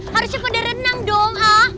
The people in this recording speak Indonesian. harusnya pada renang dong